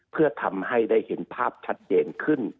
เพื่อทำให้ได้เห็นภาพชัดเจนขึ้น